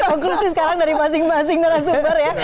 konklusi sekarang dari masing masing narasumber ya